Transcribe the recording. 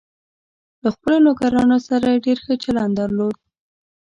له خپلو نوکرانو سره یې ډېر ښه چلند درلود.